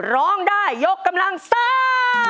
ร้องได้ยกกำลังซ่า